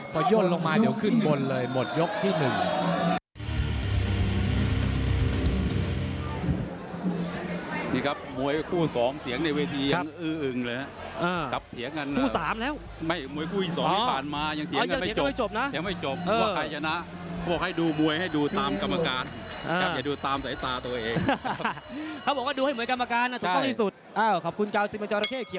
พอย่นลงมาเดี๋ยวขึ้นบนเลยหมดยกที่หนึ่ง